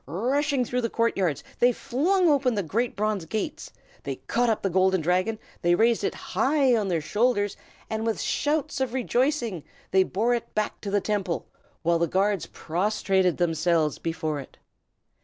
Rushing through the court yards, they flung wide open the great bronze gates. They caught up the Golden Dragon, they raised it high on their shoulders, and with shouts of rejoicing they bore it back to the Temple, while the guards prostrated themselves before it.